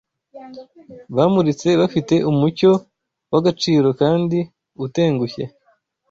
Bamuritse bafite umucyo w'agaciro kandi utengushye